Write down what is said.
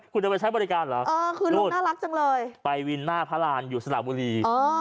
คุณจะไปใช้บริการเหรอนุ้นไปวินมาผลาญอยู่สลารบุรี